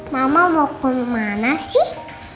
mama mau pengemana sih